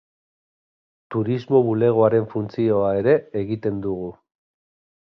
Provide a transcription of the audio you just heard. Turismo bulegoaren funtzioa ere egiten dugu.